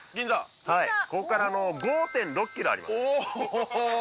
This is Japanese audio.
ここから５．６ｋｍありますお！